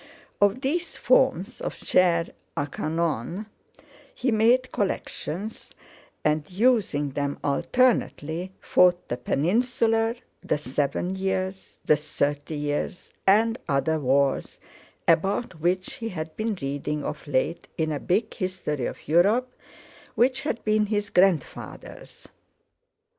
Of these forms of "chair a canon" he made collections, and, using them alternately, fought the Peninsular, the Seven Years, the Thirty Years, and other wars, about which he had been reading of late in a big History of Europe which had been his grandfather's.